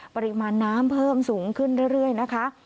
ปริมาณน้ำเพิ่มสูงขึ้นเรื่อยนะคะ